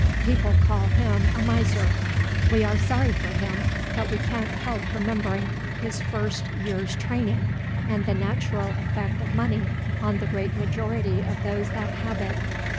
People call him a miser. We are sorry for him; but we can't help remembering his first year's training, and the natural effect of money on the great majority of those that have it.